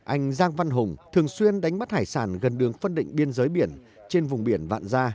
anh giang văn hùng thường xuyên đánh bắt hải sản gần đường phân định biên giới biển trên vùng biển vạn gia